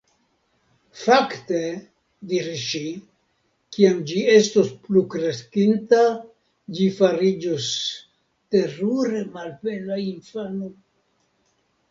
"Fakte," diris ŝi, "kiam ĝi estos plukreskinta ĝi fariĝos terure malbela infano. »